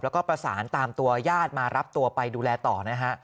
แล้วก็ประสานตามตัวญาติมารับตัวไปดูแลต่อนะฮะ